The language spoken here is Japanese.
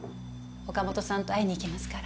岡本さんと会いに行きますから。